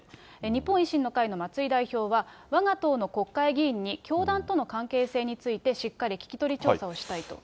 日本維新の会の松井代表は、わが党の国会議員に教団との関係性について、しっかり聞き取り調査をしたいと。